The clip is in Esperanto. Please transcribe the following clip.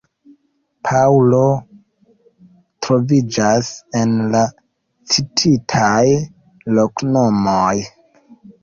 Paŭlo troviĝas en la cititaj loknomoj.